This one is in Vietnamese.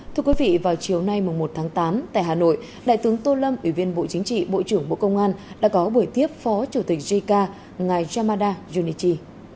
thưa quý vị vào chiều nay một tháng tám tại hà nội đại tướng tô lâm ủy viên bộ chính trị bộ trưởng bộ công an đã có buổi tiếp phó chủ tịch jica ngài yamada junichi